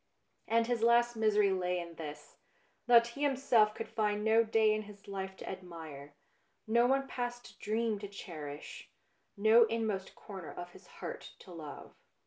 And his last misery lay in this : that he himself could find no day in his life to admire, no one past dream to cherish, no inmost corner of his heart to love.